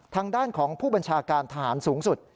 ทางด้านของผู้บัญชาการทหารสูงสุด